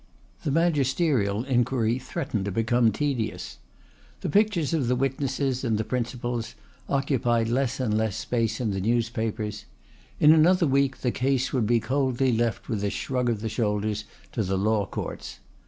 The magisterial inquiry threatened to become tedious. The pictures of the witnesses and the principals occupied less and less space in the newspapers. In another week the case would be coldly left with a shrug of the shoulders to the Law Courts.